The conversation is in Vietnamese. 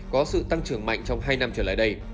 có sự tăng trưởng mạnh trong hai năm trở lại đây